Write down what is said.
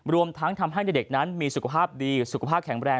รวมทั้งทำให้เด็กนั้นมีสุขภาพดีสุขภาพแข็งแรง